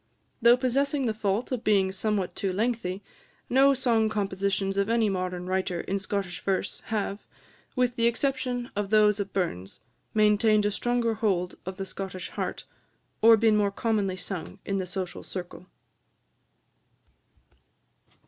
Though possessing the fault of being somewhat too lengthy, no song compositions of any modern writer in Scottish verse have, with the exception of those of Burns, maintained a stronger hold of the Scottish heart, or been more commonly sung in the social circle.